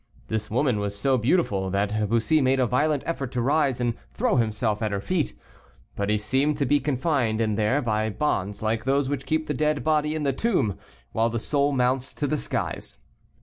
This woman was so beautiful, that Bussy made a violent effort to rise and throw himself at her feet. But he seemed to be confined in there by bonds like those which keep the dead body in the tomb, while the soul mounts to the skies.